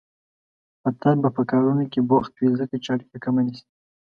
اتل به په کارونو کې بوخت وي، ځکه چې اړيکه کمه نيسي